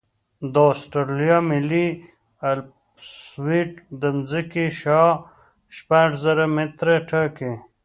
د اسټرالیا ملي الپسویډ د ځمکې شعاع شپږ زره متره ټاکي